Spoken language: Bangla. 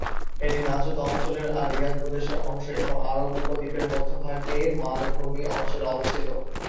এটি নজদ অঞ্চলের আর-রিয়াদ প্রদেশের অংশ, এবং আরব উপদ্বীপের মধ্যভাগের মালভূমি অঞ্চলে অবস্থিত।